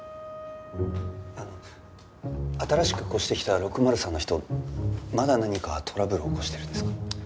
あの新しく越してきた６０３の人まだ何かトラブル起こしてるんですか？